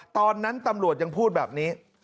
ตอนนั้นตำรวจยังพูดแบบนี้